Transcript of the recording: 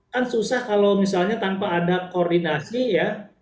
kan susah kalau misalnya tanpa ada koordinasi ya